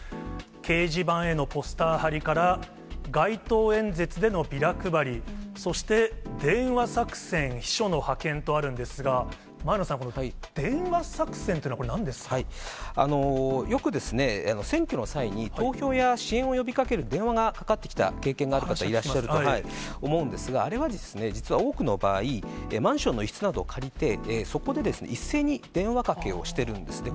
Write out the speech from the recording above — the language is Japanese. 掲示板へのポスター張りから、街頭演説でのビラ配り、そして電話作戦、秘書の派遣とあるんですが、前野さん、この電話作戦といよく選挙の際に、投票や支援を呼びかける電話がかかってきた経験がある方、いらっしゃると思うんですが、あれは実は多くの場合、マンションの一室などを借りて、そこで一斉に電話かけをしてるんですね。